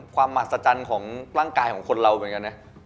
ความมหัศจรรย์ของร่างกายของคนเราเหมือนกันนะ